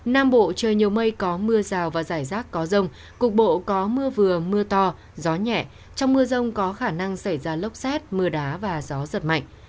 nam bộ trời nhiều mây có mưa rào và rải rác có rông cục bộ có mưa vừa mưa to gió nhẹ trong mưa rông có khả năng xảy ra lốc xét mưa đá và gió giật mạnh